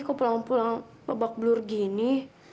kok pulang pulang bebak blur gini